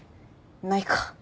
ないか。